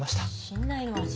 「信頼の味」？